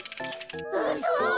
うそ！